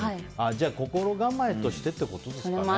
じゃあ心構えとしてということですかね。